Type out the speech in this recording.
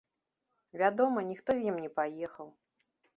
Вядома, ніхто з ім не паехаў.